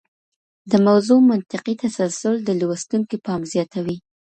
د موضوع منطقي تسلسل د لوستونکي پام زیاتوي.